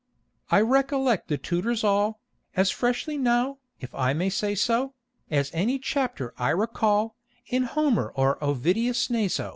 I recollect the tutors all As freshly now, if I may say so, As any chapter I recall In Homer or Ovidius Naso.